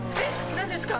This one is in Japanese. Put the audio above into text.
何ですか？